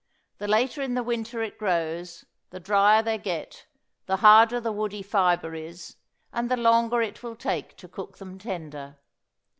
The later in the winter it grows the drier they get, the harder the woody fibre is, and the longer it will take to cook them tender.